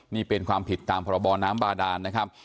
นี่เป็นความผิดตามพรบน้ำบาดานนะครับ